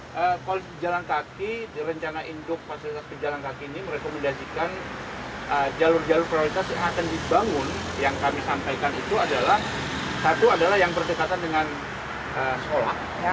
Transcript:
jadi gini koalisi penjalan kaki rencana induk fasilitas penjalan kaki ini merekomendasikan jalur jalur prioritas yang akan dibangun yang kami sampaikan itu adalah satu adalah yang berdekatan dengan sekolah